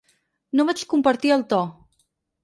No vaig compartir el to.